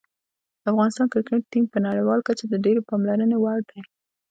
د افغانستان کرکټ ټیم په نړیواله کچه د ډېرې پاملرنې وړ دی.